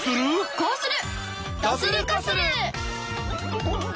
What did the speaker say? こうする！